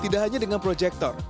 tidak hanya dengan proyektor